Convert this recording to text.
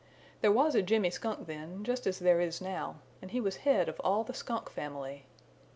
There was a Jimmy Skunk then, just as there is now, and he was head of all the Skunk family.